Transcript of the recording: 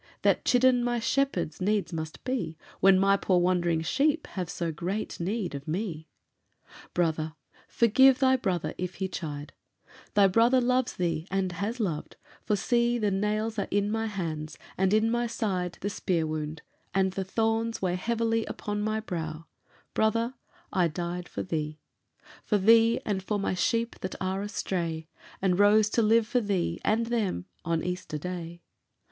that chidden my shepherds needs must be When my poor wandering sheep have so great need of me. "Brother, forgive thy Brother if he chide, Thy Brother loves thee and has loved for see The nails are in my hands, and in my side The spear wound; and the thorns weigh heavily Upon my brow brother, I died for thee For thee, and for my sheep that are astray, And rose to live for thee, and them, on Easter Day!"